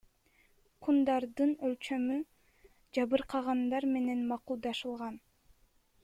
Кундардын өлчөмү жабыркагандар менен макулдашылган.